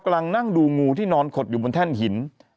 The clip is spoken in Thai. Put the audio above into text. กำลังนั่งดูงูที่นอนขดอยู่บนแท่นหิน